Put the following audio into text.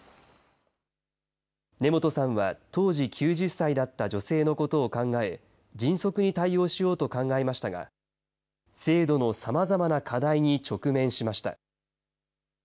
根本さんは当時９０歳だった女性のことを考え、迅速に対応しようと考えましたが、制度のさまざまな課題に直面しました。